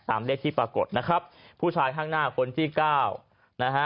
เลขที่ปรากฏนะครับผู้ชายข้างหน้าคนที่เก้านะฮะ